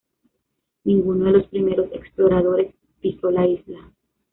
Ninguno de los primeros exploradores pisó la isla.